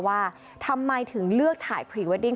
ว่าทำไมถึงเลือกถ่ายพรีเวดดิ้ง